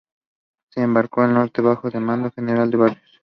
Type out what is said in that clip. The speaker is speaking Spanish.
Se embarcó al norte bajo el mando del general Barrios.